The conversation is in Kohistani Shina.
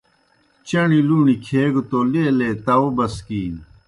چݨیْ لُوݨیْ کھیگہ توْ لیلے تاؤ بسکِینیْ۔